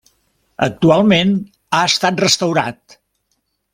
Actualment ha estat restaurat.